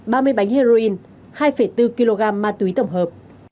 ba mươi bánh heroin hai bốn kg ma túy tổng hợp